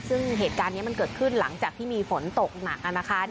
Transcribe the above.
ซึ่งเหตุการณ์นี้มันเกิดขึ้นหลังจากที่มีฝนตกหนักนะคะ